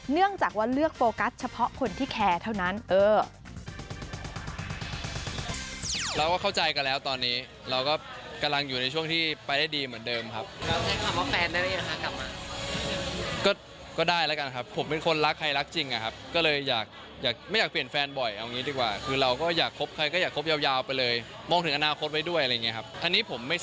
เนื่องจากว่าเลือกโฟกัสเฉพาะคนที่แคร์เท่านั้น